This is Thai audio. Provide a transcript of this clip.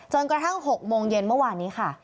กระทั่ง๖โมงเย็นเมื่อวานนี้ค่ะ